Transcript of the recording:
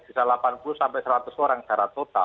bisa delapan puluh sampai seratus orang secara total